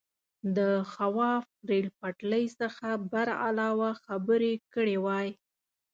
د خواف ریل پټلۍ څخه برعلاوه خبرې کړې وای.